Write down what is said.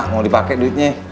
mau dipake duitnya